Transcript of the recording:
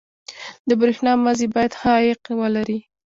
• د برېښنا مزي باید ښه عایق ولري.